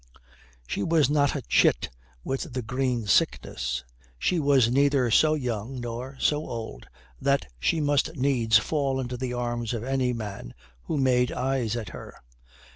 She was not a chit with the green sickness; she was neither so young nor so old that she must needs fall into the arms of any man who made eyes at her.